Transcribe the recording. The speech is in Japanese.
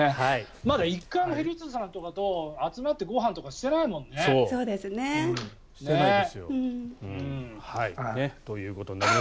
まだ１回も廣津留さんとかと集まってご飯とかしてないもんね。ということになります。